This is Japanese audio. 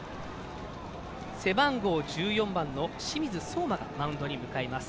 背番号１４番の清水蒼天がマウンドに向かいます。